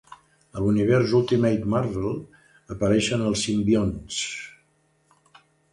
A l'univers "Ultimate Marvel", apareixen els Simbionts.